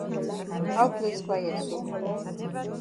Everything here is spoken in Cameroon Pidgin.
How place quiet so?